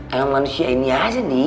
emang manusia ini aja nih